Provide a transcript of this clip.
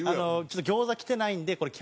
「ちょっと餃子きてないんでこれ